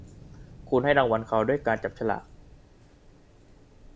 คุณให้รางวัลเขาด้วยการจับสลาก